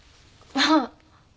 ああ。